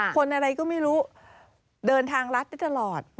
คนอะไรก็ไม่รู้เดินทางรัฐได้ตลอด